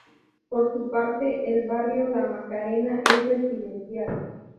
Por su parte, el barrio La Macarena es residencial.